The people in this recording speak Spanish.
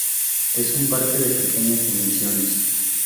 Es un parque de pequeñas dimensiones.